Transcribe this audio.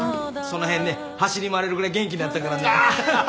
その辺ね走り回れるぐらい元気になったからね。